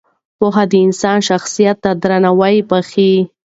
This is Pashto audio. پوهه د انسان شخصیت ته درناوی بښي.